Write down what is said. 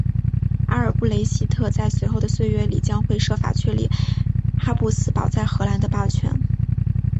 阿尔布雷希特在随后的岁月里将会设法确立哈布斯堡在荷兰的霸权。